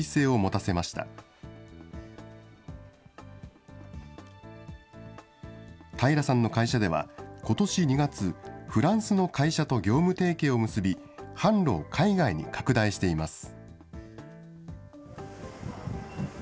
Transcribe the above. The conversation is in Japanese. たいらさんの会社では、ことし２月、フランスの会社と業務提携を結び、販路を海外に拡大しています。